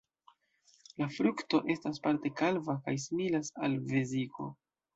La frukto estas parte kalva kaj similas al veziko.